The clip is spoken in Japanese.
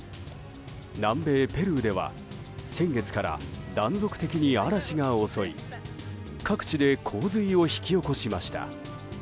南米ペルーでは先月から断続的に嵐が襲い各地で洪水を引き起こしました。